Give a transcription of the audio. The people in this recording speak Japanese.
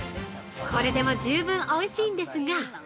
◆これでも十分おいしいんですが。